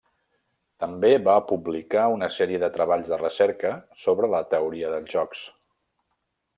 També va publicar una sèrie de treballs de recerca sobre la teoria dels jocs.